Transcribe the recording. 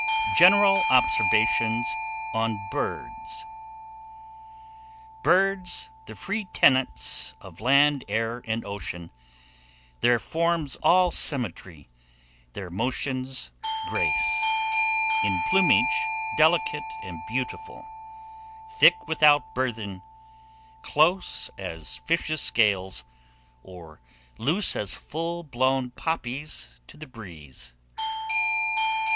GENERAL OBSERVATIONS ON BIRDS. "Birds, the free tenants of land, air, and ocean, Their forms all symmetry, their motions grace; In plumage delicate and beautiful; Thick without burthen, close as fishes' scales, Or loose as full blown poppies to the breeze."